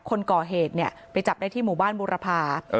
คนก่อเหตุเนี่ยไปจับได้ที่หมู่บ้านบุรพา